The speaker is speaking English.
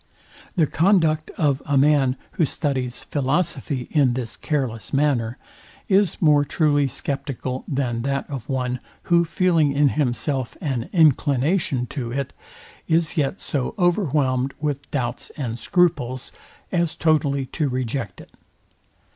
The conduct of a man, who studies philosophy in this careless manner, is more truly sceptical than that of one, who feeling in himself an inclination to it, is yet so overwhelmed with doubts and scruples, as totally to reject it.